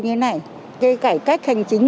cái cải cách hành chính